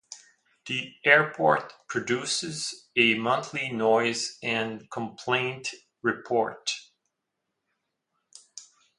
The airport produces a monthly noise and complaint report.